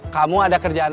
kamu ada kerjaan apa